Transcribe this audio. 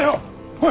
おい。